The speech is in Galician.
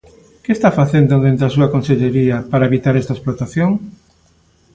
¿Que está facendo dende a súa consellería para evitar esta explotación?